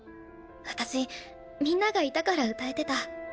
私みんながいたから歌えてた。